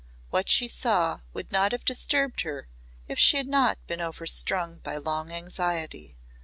What she saw would not have disturbed her if she had not been overstrung by long anxiety.